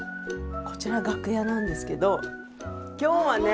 こちら楽屋なんですけど今日はね。